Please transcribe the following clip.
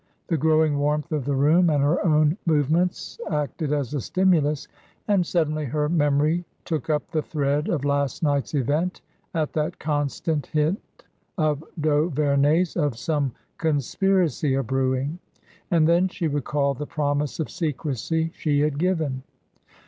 The growing warmth of the room and her own move ments acted as a stimulus, and suddenly her memory took up the thread of last night's event at that constant hint of d'Auvemey's of some conspiracy abrewing; and then she recalled the promise of secrecy she had given.